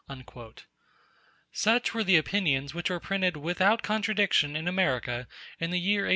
Such were the opinions which were printed without contradiction in America in the year 1830!